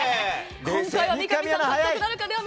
今回は三上さん獲得なるか。